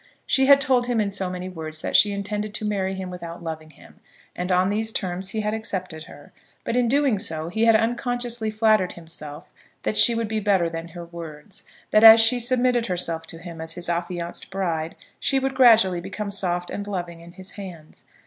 She had told him in so many words that she intended to marry him without loving him, and on these terms he had accepted her. But in doing so he had unconsciously flattered himself that she would be better than her words, that as she submitted herself to him as his affianced bride she would gradually become soft and loving in his hands.